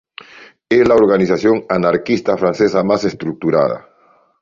Es la organización anarquista francesa más estructurada.